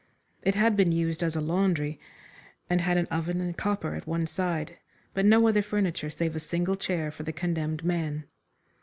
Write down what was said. It had been used as a laundry, and had an oven and copper at one side, but no other furniture save a single chair for the condemned man.